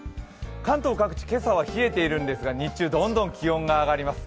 関東各地、今朝は冷えているんですが、日中どんどん気温が上がります。